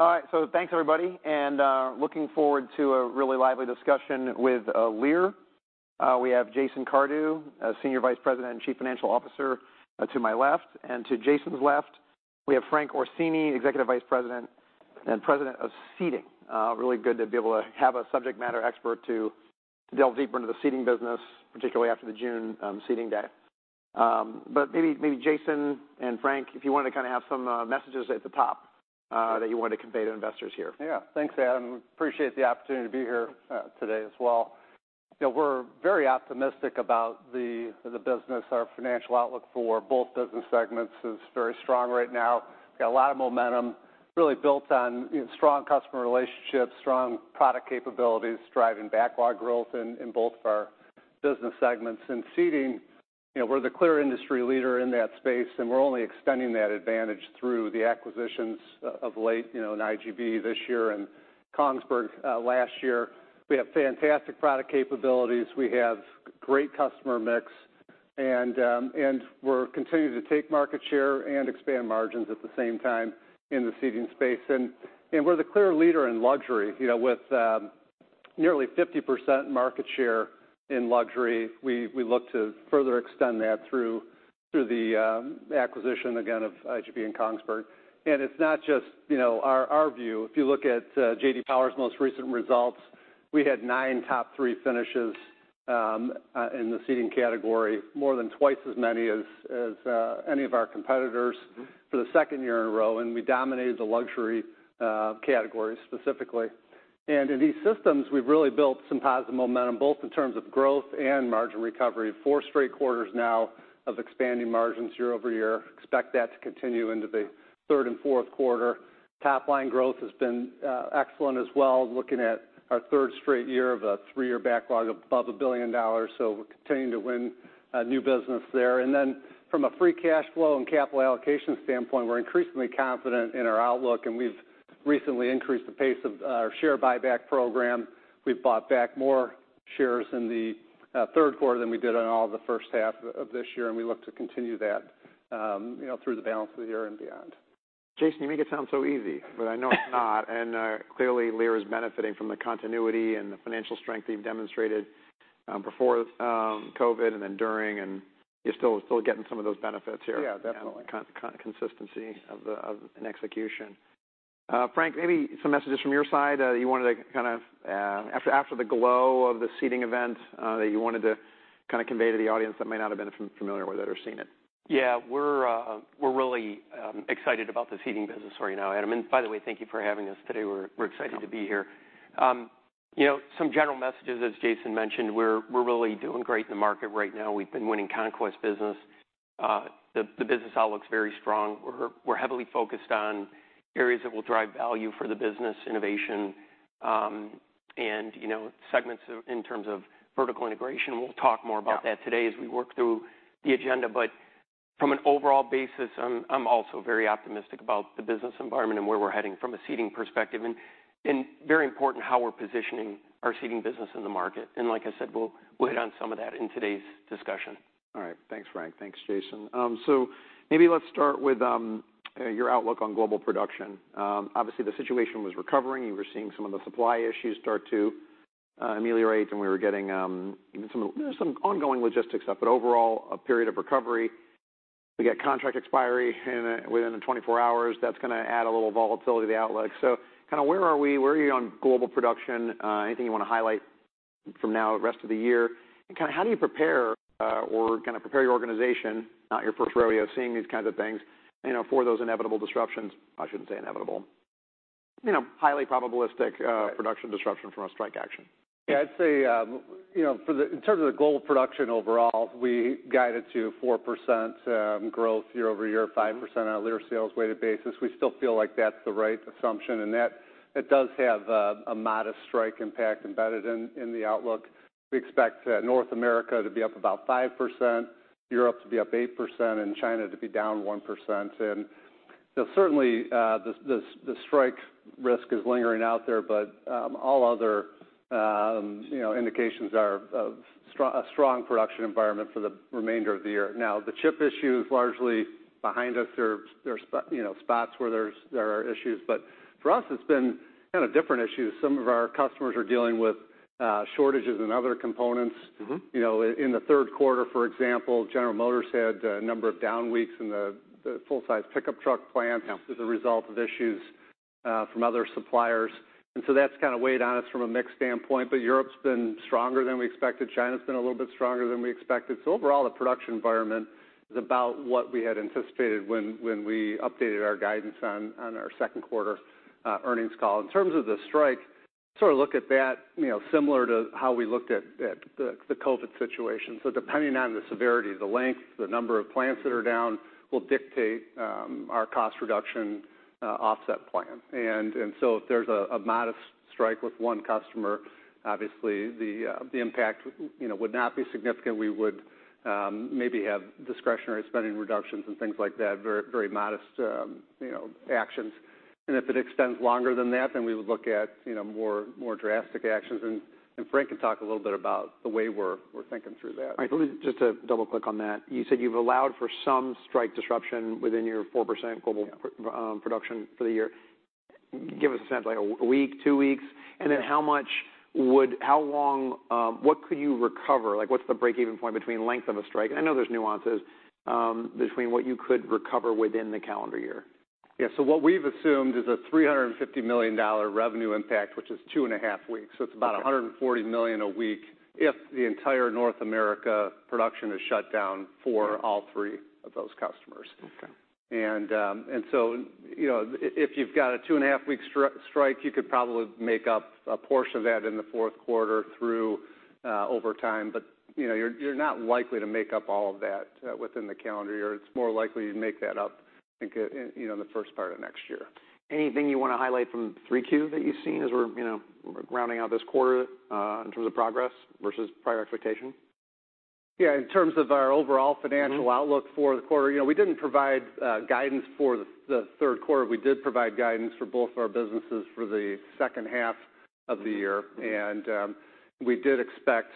All right, so thanks, everybody, and, looking forward to a really lively discussion with, Lear. We have Jason Cardew, Senior Vice President and Chief Financial Officer, to my left, and to Jason's left, we have Frank Orsini, Executive Vice President and President of Seating. Really good to be able to have a subject matter expert to delve deeper into the seating business, particularly after the June, Seating Day. But maybe, maybe Jason and Frank, if you want to kind of have some, messages at the top, that you want to convey to investors here. Yeah. Thanks, Adam. Appreciate the opportunity to be here today as well. You know, we're very optimistic about the business. Our financial outlook for both business segments is very strong right now. Got a lot of momentum, really built on, you know, strong customer relationships, strong product capabilities, driving backlog growth in both of our business segments. In Seating, you know, we're the clear industry leader in that space, and we're only extending that advantage through the acquisitions of late, you know, in IGB this year and Kongsberg last year. We have fantastic product capabilities. We have great customer mix, and we're continuing to take market share and expand margins at the same time in the seating space. And we're the clear leader in luxury. You know, with nearly 50% market share in luxury, we look to further extend that through the acquisition, again, of IGB and Kongsberg. It's not just, you know, our view. If you look at J.D. Power's most recent results, we had nine top three finishes in the seating category, more than twice as many as any of our competitors for the 2nd year in a row, and we dominated the luxury category specifically. In these systems, we've really built some positive momentum, both in terms of growth and margin recovery. Four straight quarters now of expanding margins year-over-year. Expect that to continue into the 3rd and 4th quarter. Top line growth has been excellent as well, looking at our 3rd straight year of a three-year backlog above $1 billion. We're continuing to win new business there. Then from a free cash flow and capital allocation standpoint, we're increasingly confident in our outlook, and we've recently increased the pace of our share buyback program. We've bought back more shares in the third quarter than we did in all the first half of this year, and we look to continue that, you know, through the balance of the year and beyond. Jason, you make it sound so easy, but I know it's not. And clearly Lear is benefiting from the continuity and the financial strength you've demonstrated before COVID and then during, and you're still, still getting some of those benefits here- Yeah, definitely. Constant consistency of the execution. Frank, maybe some messages from your side. You wanted to kind of, after the glow of the seating event, that you wanted to kind of convey to the audience that may not have been familiar with it or seen it. Yeah. We're really excited about the seating business right now, Adam. And by the way, thank you for having us today. We're excited to be here. You know, some general messages, as Jason mentioned, we're really doing great in the market right now. We've been winning conquest business. The business outlook's very strong. We're heavily focused on areas that will drive value for the business, innovation, and, you know, segments of-- in terms of vertical integration. We'll talk more about that- Yeah Today as we work through the agenda. But from an overall basis, I'm, I'm also very optimistic about the business environment and where we're heading from a seating perspective, and, and very important, how we're positioning our seating business in the market. And like I said, we'll, we'll hit on some of that in today's discussion. All right. Thanks, Frank. Thanks, Jason. So maybe let's start with your outlook on global production. Obviously, the situation was recovering. You were seeing some of the supply issues start to ameliorate, and we were getting some, there's some ongoing logistics stuff, but overall, a period of recovery. We got contract expiry within the 24 hours. That's going to add a little volatility to the outlook. So kind of where are we? Where are you on global production? Anything you want to highlight from now the rest of the year? And kind of how do you prepare, or kind of prepare your organization, not your first rodeo, seeing these kinds of things, you know, for those inevitable disruptions? I shouldn't say inevitable. You know, highly probabilistic, production disruption from a strike action. Yeah, I'd say, you know, for the-- in terms of the global production overall, we guided to 4% growth year-over-year, 5% on a Lear sales weighted basis. We still feel like that's the right assumption, and that it does have a modest strike impact embedded in the outlook. We expect North America to be up about 5%, Europe to be up 8%, and China to be down 1%. And certainly, the strike risk is lingering out there, but all other, you know, indications are of a strong production environment for the remainder of the year. Now, the chip issue is largely behind us. There are spots where there are issues, but for us, it's been kind of different issues. Some of our customers are dealing with shortages in other components. Mm-hmm. You know, in the third quarter, for example, General Motors had a number of down weeks in the full-size pickup truck plant. Yeah -as a result of issues from other suppliers. And so that's kind of weighed on us from a mix standpoint. But Europe's been stronger than we expected. China's been a little bit stronger than we expected. So overall, the production environment is about what we had anticipated when we updated our guidance on our second quarter earnings call. In terms of the strike, sort of look at that, you know, similar to how we looked at the COVID situation. So depending on the severity, the length, the number of plants that are down will dictate our cost reduction offset plan. And so if there's a modest strike with one customer, obviously the impact, you know, would not be significant. We would maybe have discretionary spending reductions and things like that, very, very modest, you know, actions. If it extends longer than that, then we would look at, you know, more drastic actions. And Frank can talk a little bit about the way we're thinking through that. All right. Let me just to double-click on that. You said you've allowed for some strike disruption within your 4% global- Yeah... production for the year.... Give us a sense, like a week, two weeks? And then how long, what could you recover? Like, what's the break-even point between length of a strike? And I know there's nuances between what you could recover within the calendar year. Yeah. So what we've assumed is a $350 million revenue impact, which is 2.5 weeks. Okay. It's about $140 million a week if the entire North America production is shut down for all three of those customers. Okay. So, you know, if you've got a 2.5-week strike, you could probably make up a portion of that in the fourth quarter through overtime. But, you know, you're not likely to make up all of that within the calendar year. It's more likely you'd make that up, I think, you know, in the first part of next year. Anything you want to highlight from 3Q that you've seen as we're, you know, rounding out this quarter, in terms of progress versus prior expectation? Yeah. In terms of our overall financial- Mm-hmm Outlook for the quarter, you know, we didn't provide guidance for the third quarter. We did provide guidance for both of our businesses for the second half of the year, and we did expect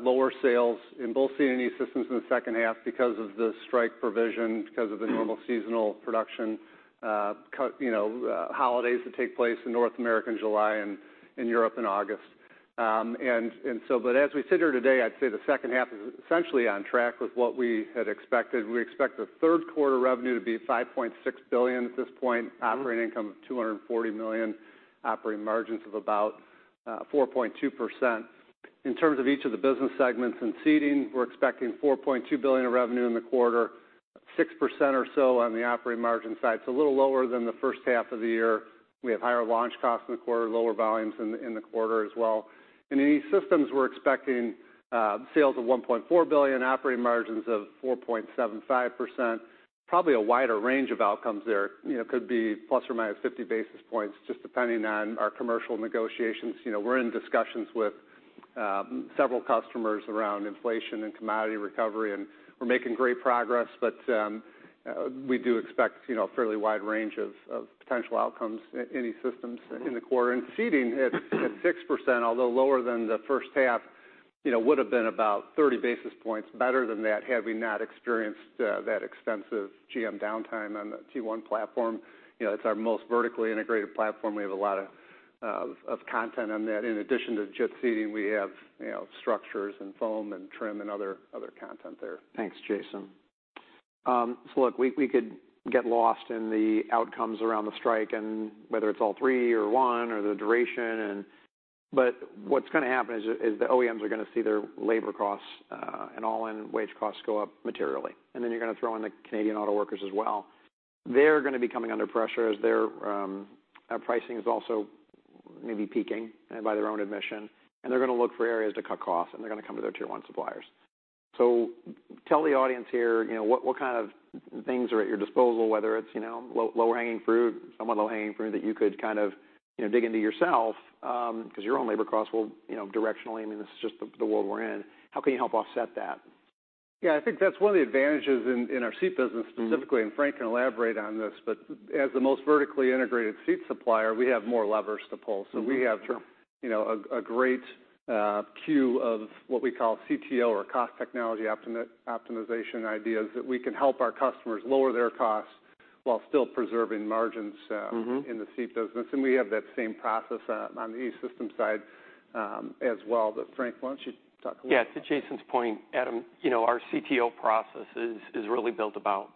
lower sales in both Seating and E-Systems in the second half because of the strike provision, because of the- Mm-hmm normal seasonal production, you know, holidays that take place in North America in July and in Europe in August. But as we sit here today, I'd say the second half is essentially on track with what we had expected. We expect the third quarter revenue to be $5.6 billion at this point. Mm-hmm. Operating income of $240 million, operating margins of about 4.2%. In terms of each of the business segments, in Seating, we're expecting $4.2 billion of revenue in the quarter, 6% or so on the operating margin side, so a little lower than the first half of the year. We have higher launch costs in the quarter, lower volumes in the quarter as well. In E-Systems, we're expecting sales of $1.4 billion, operating margins of 4.75%. Probably a wider range of outcomes there. You know, could be ±50 basis points, just depending on our commercial negotiations. You know, we're in discussions with several customers around inflation and commodity recovery, and we're making great progress, but we do expect, you know, a fairly wide range of potential outcomes in E-Systems in the quarter. Mm-hmm. In seating, at 6%, although lower than the first half, you know, would have been about 30 basis points better than that had we not experienced that extensive GM downtime on the Tier 1 platform. You know, it's our most vertically integrated platform. We have a lot of content on that. In addition to JIT seating, we have, you know, structures and foam and trim and other content there. Thanks, Jason. So look, we could get lost in the outcomes around the strike and whether it's all three or one or the duration and, but what's going to happen is, the OEMs are going to see their labor costs and all-in wage costs go up materially, and then you're going to throw in the Canadian Auto Workers as well. They're going to be coming under pressure as their pricing is also maybe peaking by their own admission, and they're going to look for areas to cut costs, and they're going to come to their Tier 1 suppliers. So tell the audience here, you know, what, what kind of things are at your disposal, whether it's, you know, low-hanging fruit, somewhat low-hanging fruit, that you could kind of, you know, dig into yourself, because your own labor costs will, you know, directionally I mean, this is just the world we're in. How can you help offset that? Yeah, I think that's one of the advantages in our seat business specifically- Mm-hmm. Frank can elaborate on this, but as the most vertically integrated seat supplier, we have more levers to pull. Mm-hmm. Sure. So we have, you know, a great queue of what we call CTO or cost technology optimization ideas that we can help our customers lower their costs while still preserving margins. Mm-hmm... in the seat business, and we have that same process on the E-Systems side, as well. But Frank, why don't you talk a little? Yeah. To Jason's point, Adam, you know, our CTO process is really built about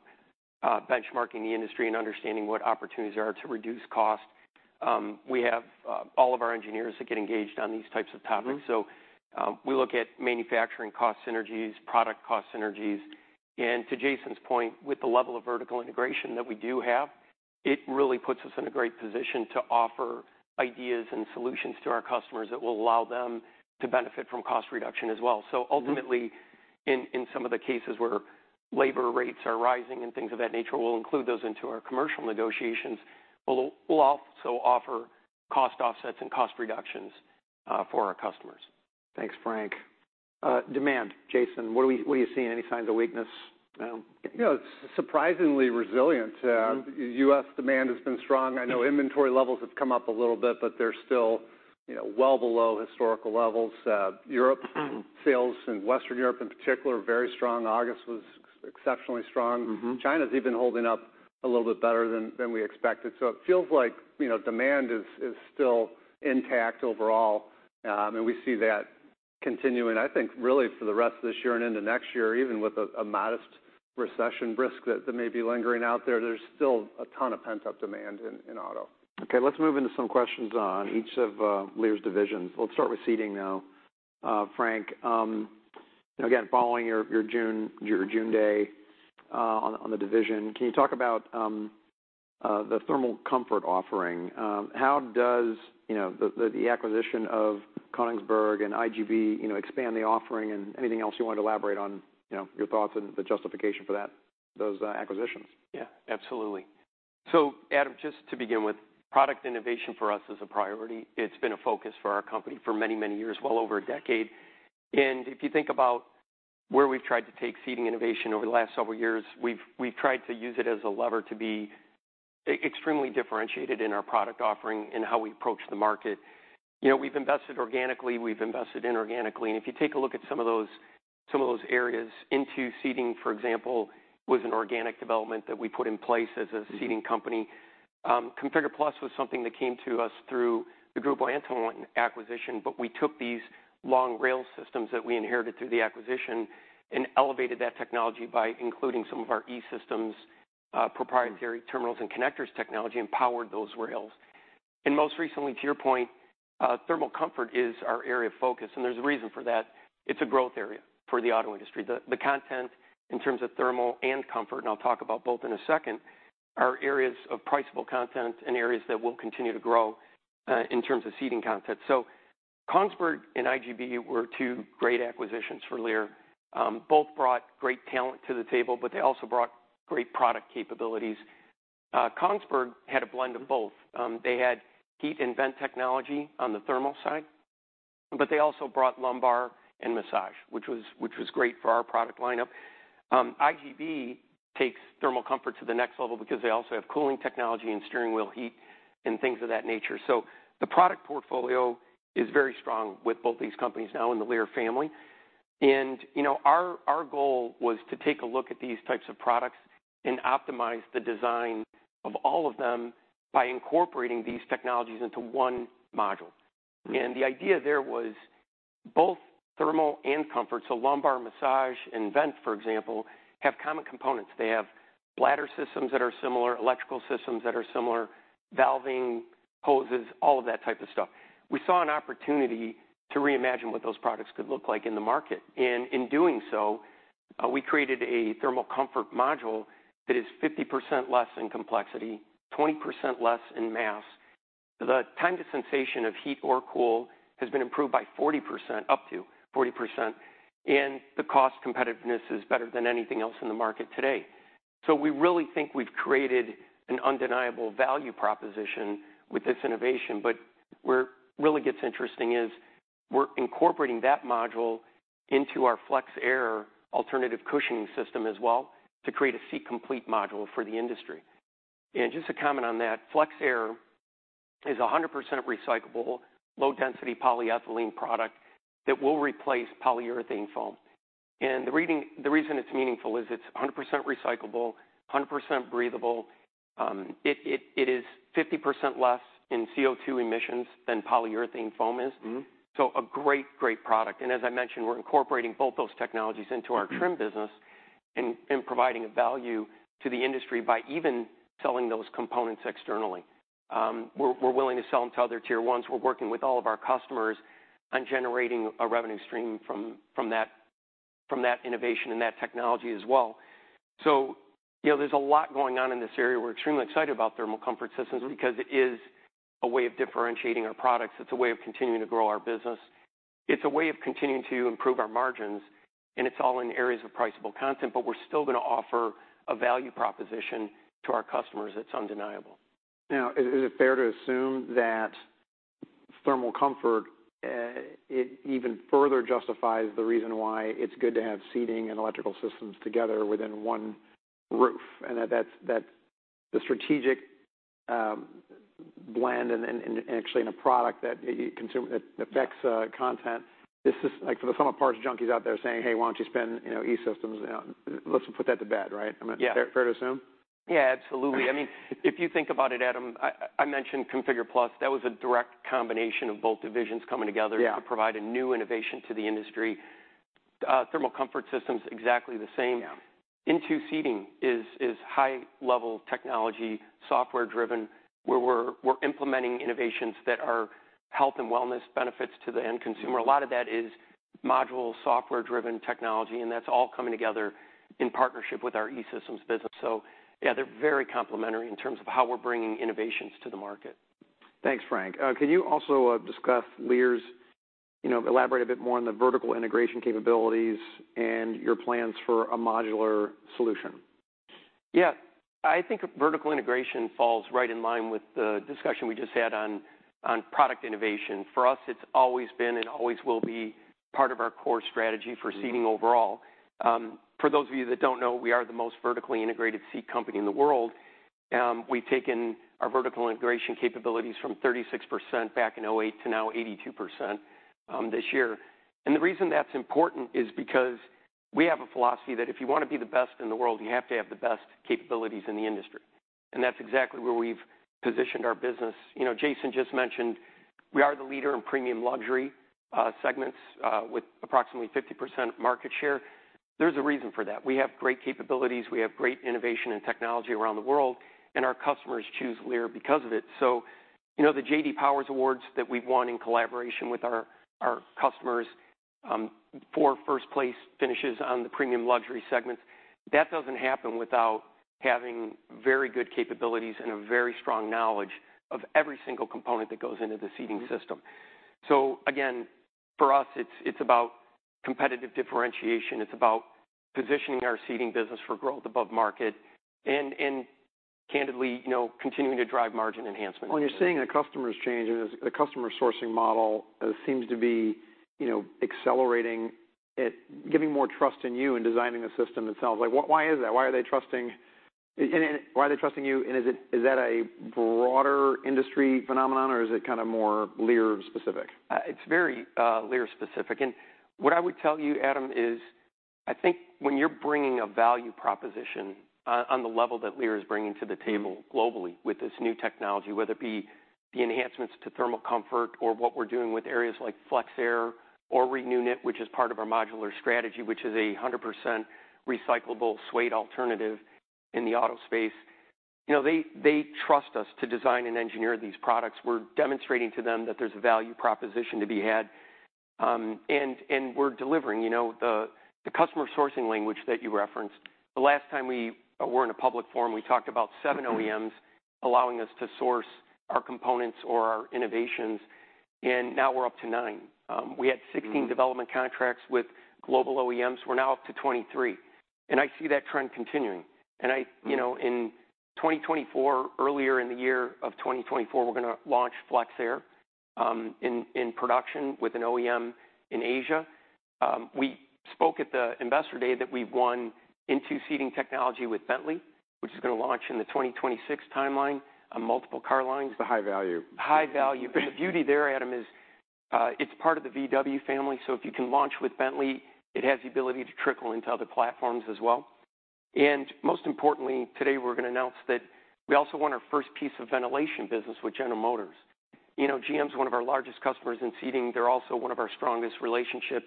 benchmarking the industry and understanding what opportunities there are to reduce cost. We have all of our engineers that get engaged on these types of topics. Mm-hmm. We look at manufacturing cost synergies, product cost synergies. To Jason's point, with the level of vertical integration that we do have, it really puts us in a great position to offer ideas and solutions to our customers that will allow them to benefit from cost reduction as well. Mm-hmm. Ultimately, in some of the cases where labor rates are rising and things of that nature, we'll include those into our commercial negotiations. We'll also offer cost offsets and cost reductions for our customers. Thanks, Frank. Demand. Jason, what are you seeing? Any signs of weakness? You know, it's surprisingly resilient. Mm-hmm. U.S. demand has been strong. I know inventory levels have come up a little bit, but they're still, you know, well below historical levels. Europe- Mm-hmm... sales in Western Europe in particular, are very strong. August was exceptionally strong. Mm-hmm. China's even holding up a little bit better than we expected. So it feels like, you know, demand is still intact overall. And we see that continuing, I think, really, for the rest of this year and into next year. Even with a modest recession risk that may be lingering out there, there's still a ton of pent-up demand in auto. Okay, let's move into some questions on each of Lear's divisions. Let's start with seating, though. Frank, again, following your, your June, your June day on the division, can you talk about the thermal comfort offering? How does, you know, the acquisition of Kongsberg and IGB, you know, expand the offering? And anything else you want to elaborate on, you know, your thoughts and the justification for that, those acquisitions. Yeah, absolutely. So Adam, just to begin with, product innovation for us is a priority. It's been a focus for our company for many, many years, well over a decade. If you think about where we've tried to take seating innovation over the last several years, we've tried to use it as a lever to be extremely differentiated in our product offering and how we approach the market. You know, we've invested organically, we've invested inorganically, and if you take a look at some of those areas INTU seating, for example, was an organic development that we put in place as a seating company. ConfigurE+ was something that came to us through the Grupo Antolin acquisition, but we took these long rail systems that we inherited through the acquisition and elevated that technology by including some of our E-Systems proprietary terminals and connectors technology and powered those rails. And most recently, to your point, thermal comfort is our area of focus, and there's a reason for that. It's a growth area for the auto industry. The content in terms of thermal and comfort, and I'll talk about both in a second, are areas of priceable content and areas that will continue to grow in terms of seating content. So Kongsberg and IGB were two great acquisitions for Lear. Both brought great talent to the table, but they also brought great product capabilities. Kongsberg had a blend of both. They had heat and vent technology on the thermal side, but they also brought lumbar and massage, which was great for our product lineup. IGB takes thermal comfort to the next level because they also have cooling technology and steering wheel heat and things of that nature. So the product portfolio is very strong with both these companies now in the Lear family. And, you know, our goal was to take a look at these types of products and optimize the design of all of them by incorporating these technologies into one module. And the idea there was both thermal and comfort, so lumbar, massage, and vent, for example, have common components. They have bladder systems that are similar, electrical systems that are similar, valving, hoses, all of that type of stuff. We saw an opportunity to reimagine what those products could look like in the market, and in doing so, we created a thermal comfort module that is 50% less in complexity, 20% less in mass. The time to sensation of heat or cool has been improved by 40%, up to 40%, and the cost competitiveness is better than anything else in the market today. So we really think we've created an undeniable value proposition with this innovation, but where it really gets interesting is we're incorporating that module into our FlexAir alternative cushioning system as well, to create a seat complete module for the industry. And just to comment on that, FlexAir is a 100% recyclable, low-density polyethylene product that will replace polyurethane foam. And the reason it's meaningful is it's a 100% recyclable, 100% breathable. It is 50% less in CO2 emissions than polyurethane foam is. Mm-hmm. So a great, great product. And as I mentioned, we're incorporating both those technologies into our trim business and providing a value to the industry by even selling those components externally. We're willing to sell them to other Tier 1's. We're working with all of our customers on generating a revenue stream from that innovation and that technology as well. So, you know, there's a lot going on in this area. We're extremely excited about Thermal Comfort Systems because it is a way of differentiating our products. It's a way of continuing to grow our business. It's a way of continuing to improve our margins, and it's all in areas of priceable content, but we're still going to offer a value proposition to our customers that's undeniable. Now, is it fair to assume that thermal comfort it even further justifies the reason why it's good to have seating and electrical systems together within one roof, and that that's the strategic blend and actually in a product that you consume, that affects content. This is like for the summer parts junkies out there saying, "Hey, why don't you spend, you know, E-Systems?" Let's put that to bed, right? Yeah. I mean, fair, fair to assume? Yeah, absolutely. I mean, if you think about it, Adam, I mentioned ConfigurE+. That was a direct combination of both divisions coming together- Yeah to provide a new innovation to the industry. Thermal Comfort System's exactly the same. Yeah. INTU Seating is high-level technology, software-driven, where we're implementing innovations that are health and wellness benefits to the end consumer. Mm-hmm. A lot of that is modular, software-driven technology, and that's all coming together in partnership with our E-Systems business. So yeah, they're very complementary in terms of how we're bringing innovations to the market. Thanks, Frank. Can you also discuss Lear's, you know, elaborate a bit more on the vertical integration capabilities and your plans for a modular solution? Yeah. I think vertical integration falls right in line with the discussion we just had on, on product innovation. For us, it's always been and always will be part of our core strategy for seating overall. Mm-hmm. For those of you that don't know, we are the most vertically integrated seat company in the world. We've taken our vertical integration capabilities from 36% back in 2008 to now 82%, this year. And the reason that's important is because we have a philosophy that if you want to be the best in the world, you have to have the best capabilities in the industry, and that's exactly where we've positioned our business. You know, Jason just mentioned we are the leader in premium luxury segments, with approximately 50% market share. There's a reason for that. We have great capabilities, we have great innovation and technology around the world, and our customers choose Lear because of it. So, you know, the J.D. Power Awards that we've won in collaboration with our, our customers, four first-place finishes on the premium luxury segments, that doesn't happen without having very good capabilities and a very strong knowledge of every single component that goes into the seating system. Mm-hmm. So again, for us, it's about competitive differentiation. It's about positioning our seating business for growth above market and candidly, you know, continuing to drive margin enhancement. When you're seeing a customer's change, and the customer sourcing model seems to be, you know, accelerating it, giving more trust in you in designing the system itself, like, why is that? Why are they trusting you? And is that a broader industry phenomenon or is it kind of more Lear specific? It's very Lear specific. And what I would tell you, Adam, is I think when you're bringing a value proposition on the level that Lear is bringing to the table globally with this new technology, whether it be the enhancements to thermal comfort or what we're doing with areas like FlexAir or ReNewKnit, which is part of our modular strategy, which is 100% recyclable suede alternative in the auto space. You know, they trust us to design and engineer these products. We're demonstrating to them that there's a value proposition to be had, and we're delivering. You know, the customer sourcing language that you referenced, the last time we were in a public forum, we talked about seven OEMs allowing us to source our components or our innovations, and now we're up to nine. We had 16- Mm-hmm... development contracts with global OEMs, we're now up to 23, and I see that trend continuing. And I- Mm-hmm... you know, in 2024, earlier in the year of 2024, we're gonna launch FlexAir in production with an OEM in Asia. We spoke at the Investor Day that we've won INTU seating technology with Bentley, which is gonna launch in the 2026 timeline on multiple car lines. The high value. High value. But the beauty there, Adam, is, it's part of the VW family, so if you can launch with Bentley, it has the ability to trickle into other platforms as well. And most importantly, today, we're gonna announce that we also won our first piece of ventilation business with General Motors. You know, GM's one of our largest customers in seating. They're also one of our strongest relationships.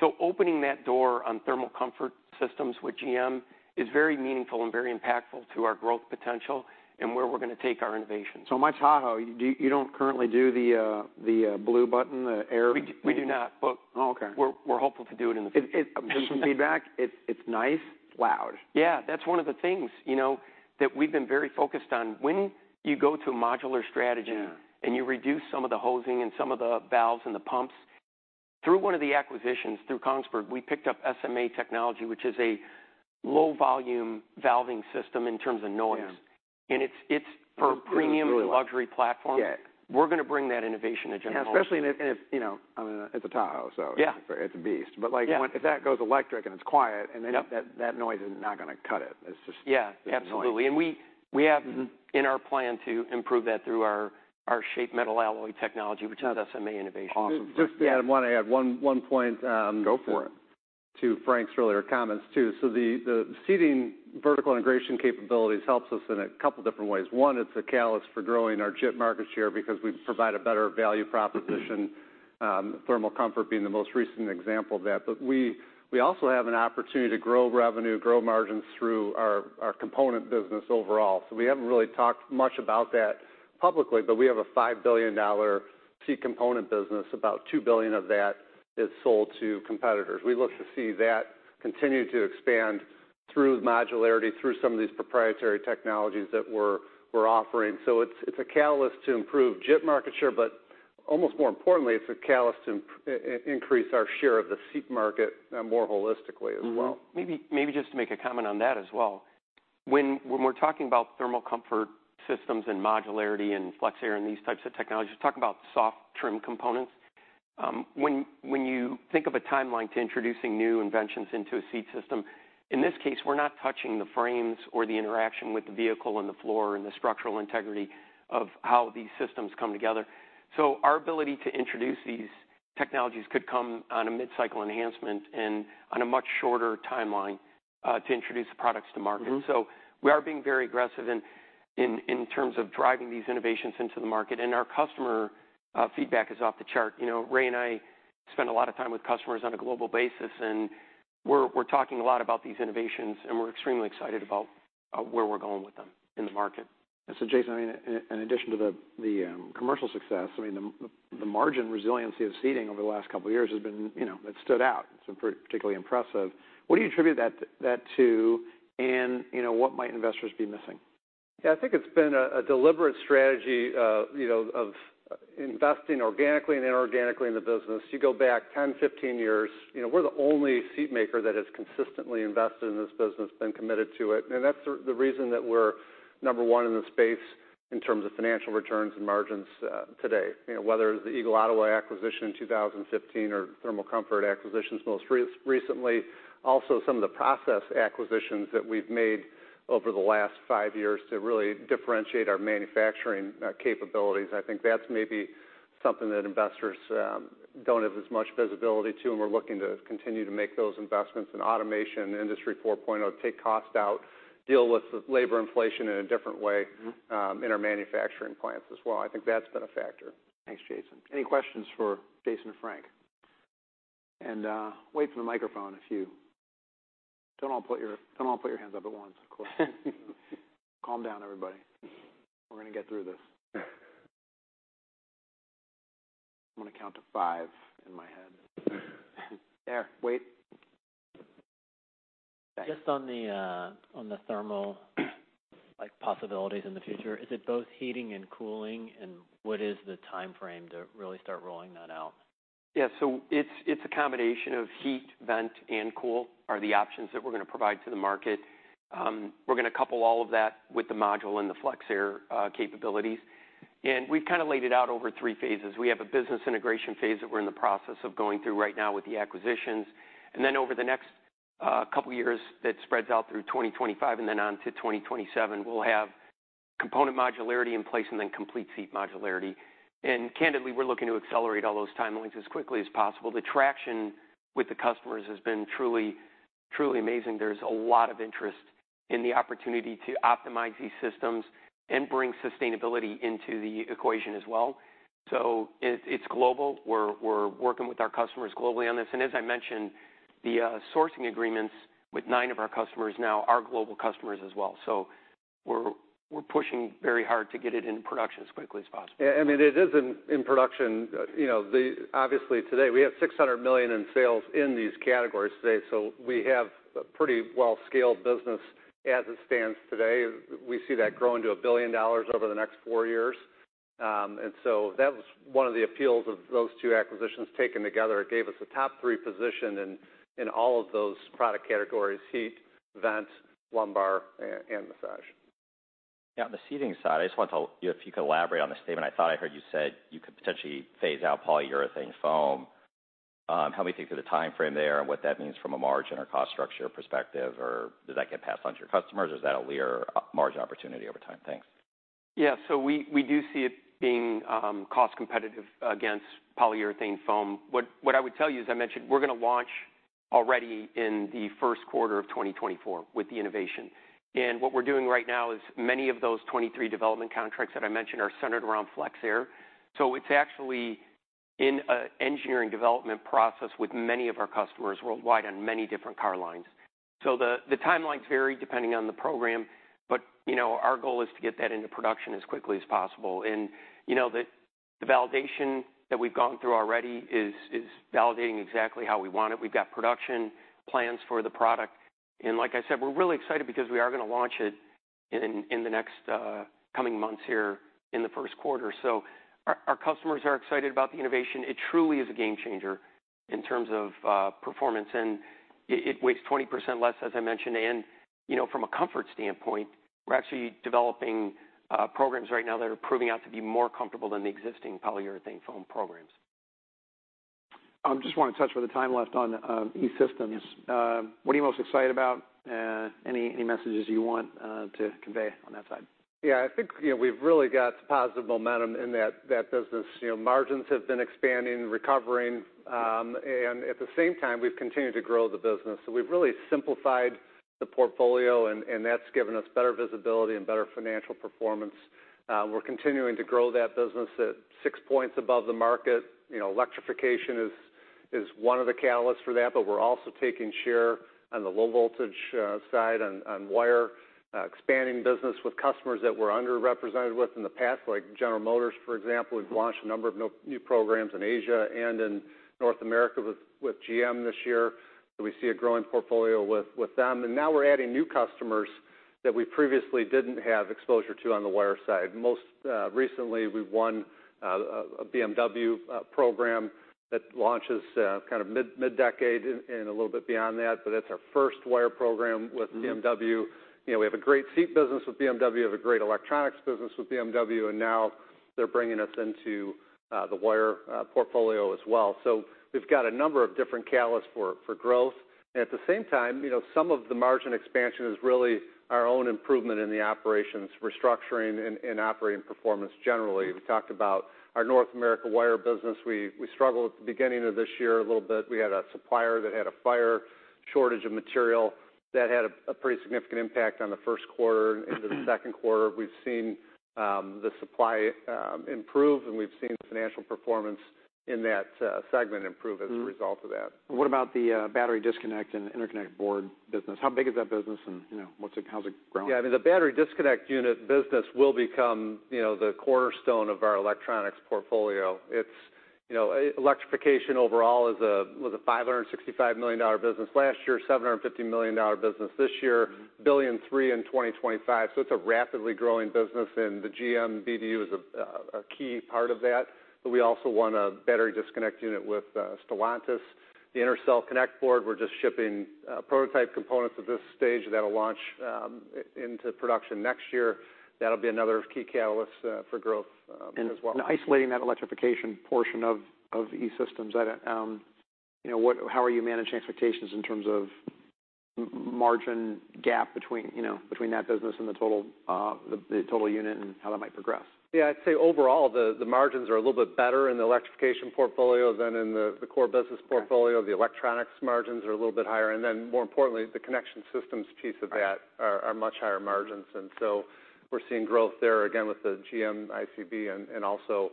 So opening that door on Thermal Comfort Systems with GM is very meaningful and very impactful to our growth potential and where we're gonna take our innovation. So my Tahoe, do you—you don't currently do the blue button, the air- We do not, but- Oh, okay. We're hopeful to do it in the future. From feedback, it's nice. Loud. Yeah, that's one of the things, you know, that we've been very focused on. When you go to a modular strategy- Yeah... and you reduce some of the hosing and some of the valves and the pumps, through one of the acquisitions, through Kongsberg, we picked up SMA Technology, which is a low-volume valving system in terms of noise. Yeah. And it's for premium- It's really- -luxury platform. Yeah. We're gonna bring that innovation to General Motors. Yeah, especially if, you know, I mean, it's a Tahoe, so- Yeah... it's a beast. Yeah. But, like, if that goes electric and it's quiet, and then- Yep... that noise is not gonna cut it. It's just- Yeah, absolutely. Noise. We have- Mm-hmm... in our plan to improve that through our Shaped Metal Alloy technology, which is SMA innovation. Awesome. Just to add, I want to add one, one point, Go for it.... to Frank's earlier comments, too. So the seating vertical integration capabilities helps us in a couple different ways. One, it's a catalyst for growing our JIT market share because we provide a better value proposition, thermal comfort being the most recent example of that. But we also have an opportunity to grow revenue, grow margins through our component business overall. So we haven't really talked much about that publicly, but we have a $5 billion seat component business. About $2 billion of that is sold to competitors. We look to see that continue to expand through modularity, through some of these proprietary technologies that we're offering. So it's a catalyst to improve JIT market share, but almost more importantly, it's a catalyst to increase our share of the seat market more holistically as well. Mm-hmm. Maybe, maybe just to make a comment on that as well. When, when we're talking about thermal comfort systems and modularity and FlexAir and these types of technologies, talk about soft trim components. When, when you think of a timeline to introducing new inventions into a seat system, in this case, we're not touching the frames or the interaction with the vehicle and the floor and the structural integrity of how these systems come together. So our ability to introduce these technologies could come on a mid-cycle enhancement and on a much shorter timeline to introduce the products to market. Mm-hmm. So we are being very aggressive in terms of driving these innovations into the market, and our customer feedback is off the chart. You know, Ray and I spend a lot of time with customers on a global basis, and we're talking a lot about these innovations, and we're extremely excited about where we're going with them in the market. And so, Jason, I mean, in addition to the commercial success, I mean, the margin resiliency of seating over the last couple of years has been, you know, it stood out. It's been pretty particularly impressive. What do you attribute that to? And, you know, what might investors be missing? Yeah, I think it's been a deliberate strategy, you know, of investing organically and inorganically in the business. You go back 10, 15 years, you know, we're the only seat maker that has consistently invested in this business, been committed to it, and that's the reason that we're number one in the space in terms of financial returns and margins, today. You know, whether it's the Eagle Ottawa acquisition in 2015 or thermal comfort acquisitions most recently, also some of the process acquisitions that we've made over the last 5 years to really differentiate our manufacturing capabilities. I think that's maybe something that investors don't have as much visibility to, and we're looking to continue to make those investments in automation, Industry 4.0, take cost out, deal with the labor inflation in a different way- Mm-hmm... in our manufacturing plants as well. I think that's been a factor. Thanks, Jason. Any questions for Jason and Frank? And, wait for the microphone if you... Don't all put your, don't all put your hands up at once, of course. Calm down, everybody. We're gonna get through this. I'm gonna count to five in my head. There, wait. Just on the, on the thermal, like, possibilities in the future, is it both heating and cooling? And what is the time frame to really start rolling that out? Yeah. So it's a combination of heat, vent, and cool, are the options that we're gonna provide to the market. We're gonna couple all of that with the module and the FlexAir capabilities. And we've kind of laid it out over three phases. We have a business integration phase that we're in the process of going through right now with the acquisitions. And then over the next couple of years, that spreads out through 2025, and then on to 2027, we'll have component modularity in place and then complete seat modularity. And candidly, we're looking to accelerate all those timelines as quickly as possible. The traction with the customers has been truly, truly amazing. There's a lot of interest in the opportunity to optimize these systems and bring sustainability into the equation as well. So it's global. We're working with our customers globally on this, and as I mentioned, the sourcing agreements with nine of our customers now are global customers as well. So we're pushing very hard to get it into production as quickly as possible. Yeah, I mean, it is in production. You know, the—obviously, today, we have $600 million in sales in these categories today, so we have a pretty well-scaled business as it stands today. We see that growing to $1 billion over the next four years. And so that was one of the appeals of those two acquisitions taken together. It gave us a top three position in all of those product categories: heat, vent, lumbar, and massage. Yeah, on the seating side, I just want to—if you could elaborate on the statement. I thought I heard you said you could potentially phase out polyurethane foam. Help me think through the time frame there and what that means from a margin or cost structure perspective, or does that get passed on to your customers, or is that a Lear margin opportunity over time? Thanks. Yeah. So we do see it being cost competitive against polyurethane foam. What I would tell you, as I mentioned, we're gonna launch already in the first quarter of 2024 with the innovation. And what we're doing right now is many of those 23 development contracts that I mentioned are centered around FlexAir. So it's actually in an engineering development process with many of our customers worldwide on many different car lines. So the timelines vary depending on the program, but you know, our goal is to get that into production as quickly as possible. And you know, the validation that we've gone through already is validating exactly how we want it. We've got production plans for the product, and like I said, we're really excited because we are gonna launch it in the next coming months here in the first quarter. So our customers are excited about the innovation. It truly is a game changer in terms of performance, and it weighs 20% less, as I mentioned. And, you know, from a comfort standpoint, we're actually developing programs right now that are proving out to be more comfortable than the existing polyurethane foam programs. Just want to touch with the time left on E-Systems. What are you most excited about? Any messages you want to convey on that side? Yeah, I think, you know, we've really got positive momentum in that business. You know, margins have been expanding and recovering, and at the same time, we've continued to grow the business. So we've really simplified the portfolio, and that's given us better visibility and better financial performance. We're continuing to grow that business at six points above the market. You know, electrification is one of the catalysts for that, but we're also taking share on the low voltage side on wire, expanding business with customers that we're underrepresented with in the past, like General Motors, for example. We've launched a number of new programs in Asia and in North America with GM this year. So we see a growing portfolio with them, and now we're adding new customers that we previously didn't have exposure to on the wire side. Most recently, we won a BMW program that launches kind of mid-decade and a little bit beyond that. But that's our first wire program with BMW. You know, we have a great seat business with BMW, have a great electronics business with BMW, and now they're bringing us into the wire portfolio as well. So we've got a number of different catalysts for growth. And at the same time, you know, some of the margin expansion is really our own improvement in the operations, restructuring and operating performance generally. We talked about our North America wire business. We struggled at the beginning of this year a little bit. We had a supplier that had a fire, shortage of material. That had a pretty significant impact on the first quarter. Into the second quarter, we've seen the supply improve, and we've seen financial performance in that segment improve as a result of that. What about the battery disconnect and interconnect board business? How big is that business, and, you know, how's it growing? Yeah, the battery disconnect unit business will become, you know, the cornerstone of our electronics portfolio. It's. You know, electrification overall is a was a $565 million business last year, $750 million business this year, $1.3 billion in 2025. So it's a rapidly growing business, and the GM BDU is a a key part of that. But we also want a battery disconnect unit with Stellantis. The Intercell Connect Board, we're just shipping prototype components at this stage. That'll launch into production next year. That'll be another key catalyst for growth as well. Isolating that electrification portion of E-Systems, you know, how are you managing expectations in terms of margin gap between, you know, between that business and the total unit and how that might progress? Yeah, I'd say overall, the margins are a little bit better in the electrification portfolio than in the core business portfolio. Okay. The electronics margins are a little bit higher. And then more importantly, the connection systems piece of that- Right are much higher margins, and so we're seeing growth there again with the GM ICB and also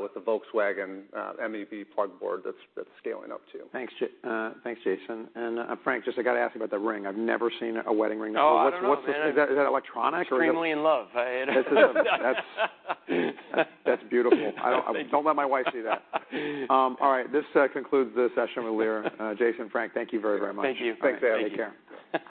with the Volkswagen MEB Plug Board that's scaling up, too. Thanks, Jason. And, Frank, just, I got to ask you about the ring. I've never seen a wedding ring before. Oh, I don't know, man. What's this thing? Is that electronic or- Extremely in love? That's beautiful. Thank you. I don't let my wife see that. All right. This concludes this session with Lear. Jason, Frank, thank you very, very much. Thank you. Thanks. Take care.